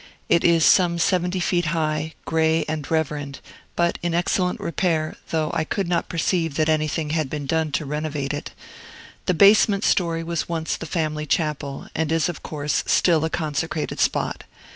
It is some seventy feet high, gray and reverend, but in excellent repair, though I could not perceive that anything had been done to renovate it. The basement story was once the family chapel, and is, of course, still a consecrated spot.